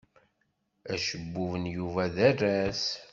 Acebbub n Yuba d aras.